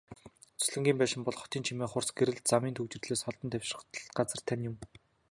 Зуслангийн байшин бол хотын чимээ, хурц гэрэл, замын түгжрэлээс холдон тайвшрах газар тань юм.